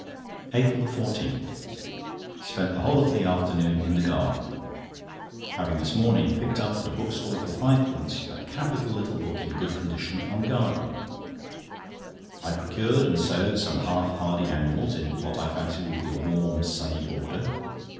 APRIL 14.—Spent the whole of the afternoon in the garden, having this morning picked up at a bookstall for fivepence a capital little book, in good condition, on Gardening. I procured and sowed some half hardy annuals in what I fancy will be a warm, sunny border.